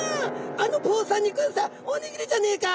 あの坊さんに食わせたおにぎりじゃねえか！」。